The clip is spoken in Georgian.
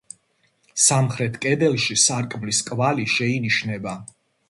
სამხრეთ კედელში სარკმლის კვალი შეინიშნება.